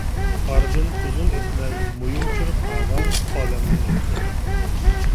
ئارىدىن ئۇزۇن ئۆتمەي مويۇنچۇر قاغان ئالەمدىن ئۆتتى.